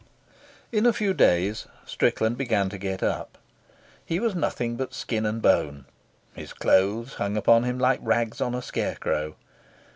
In a few days Strickland began to get up. He was nothing but skin and bone. His clothes hung upon him like rags on a scarecrow.